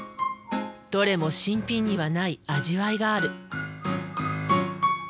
どれも新品にはない味わいがある。